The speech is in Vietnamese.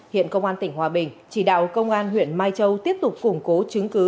hiện công an tỉnh hòa bình chỉ đạo công an huyện mai châu tiếp tục củng cố chứng cứ